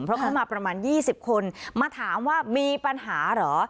เพราะเขามาประมาณ๒๐คนมาถามว่ามีปัญหาเหรอ